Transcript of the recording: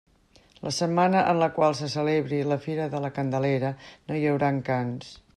La setmana en la qual se celebri la Fira de la Candelera no hi haurà Encants.